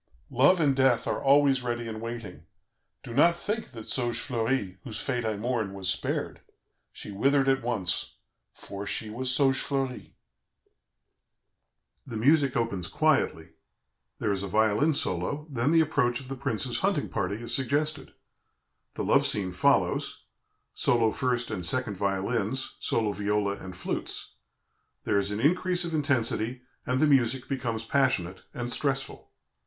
Love and death are always ready and waiting. Do not think that Saugefleurie, whose fate I mourn, was spared. She withered at once, for she was Saugefleurie." The music opens quietly; there is a violin solo; then the approach of the prince's hunting party is suggested. The love scene follows solo first and second violins, solo viola, and flutes; there is an increase of intensity, and the music becomes passionate and stressful.